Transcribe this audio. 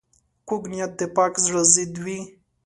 کوږ نیت د پاک زړه ضد وي